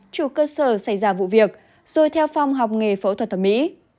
chủ cơ sở xảy ra vụ việc rồi theo phong học nghề phẫu thuật thẩm mỹ